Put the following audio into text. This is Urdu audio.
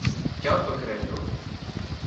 کیا بک رہے ہو؟